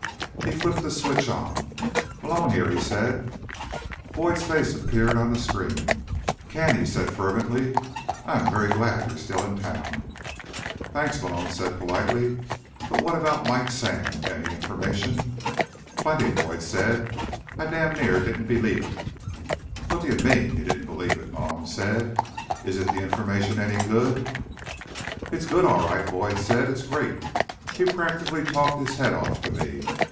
He flipped the switch on. "Malone here," he said. Boyd's face appeared on the screen. "Ken," he said fervently, "I am very glad you're still in town." "Thanks," Malone said politely. "But what about Mike Sand? Any information?" "Plenty," Boyd said. "I damn near didn't believe it." "What do you mean, you didn't believe it?" Malone said. "Isn't the information any good?" "It's good, all right," Boyd said. "It's great. He practically talked his head off to me.